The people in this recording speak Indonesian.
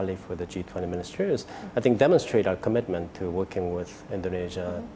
dan saya rasa itu menunjukkan keberanian kita untuk bekerja dengan indonesia